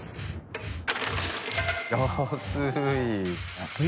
安い。